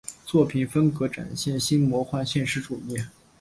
作品风格展现新魔幻现实主义。